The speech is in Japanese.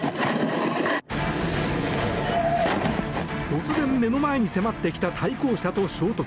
突然、目の前に迫ってきた対向車と衝突。